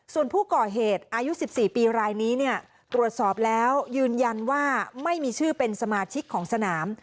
ส่วนผู้ก่อเหตุอายุ๑๔ปีรายนี้เนี่ยตรวจสอบแล้วยืนยันว่าไม่มีชื่อเป็นสมาชิกของสนาม